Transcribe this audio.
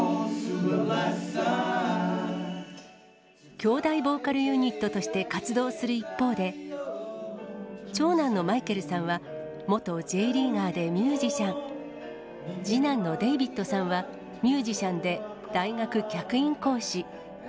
兄弟ボーカルユニットとして活動する一方で、長男のマイケルさんは、元Ｊリーガーでミュージシャン、次男のデイビットさんはミュージシャンで大学客員講師。